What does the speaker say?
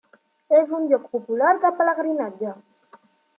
És un lloc popular de pelegrinatge.